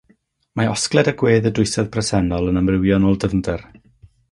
Mae osgled a gwedd y dwysedd presennol yn amrywio yn ôl dyfnder.